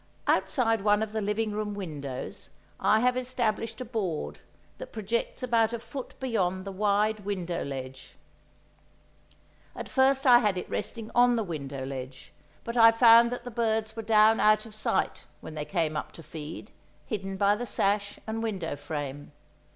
Outside one of the living room windows I have established a board that projects about a foot beyond the wide window ledge. At first I had it resting on the window ledge, but I found that the birds were down out of sight, when they came up to feed, hidden by the sash and window frame.